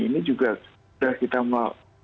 ini juga sudah kita